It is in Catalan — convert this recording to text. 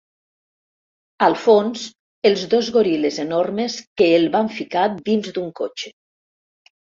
Al fons, els dos goril·les enormes que el van ficar dins d'un cotxe.